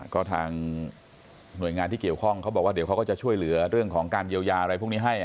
ก็ทางหน่วยงานที่เกี่ยวข้องเขาบอกว่าเดี๋ยวเขาก็จะช่วยเหลือเรื่องของการเยียวยาอะไรพวกนี้ให้